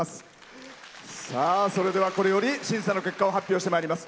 それでは、これより審査結果を発表してまいります。